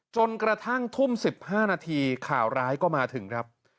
จนกระทั่งทุ่ม๑๕นาทีข่าวร้ายก็มาถึงครับ